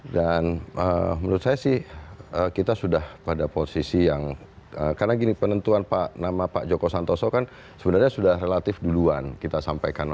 dan menurut saya sih kita sudah pada posisi yang karena gini penentuan nama pak joko santoso kan sebenarnya sudah relatif duluan kita sampaikan